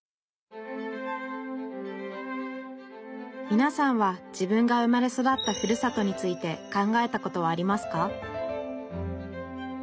みなさんは自分が生まれ育ったふるさとについて考えたことはありますか？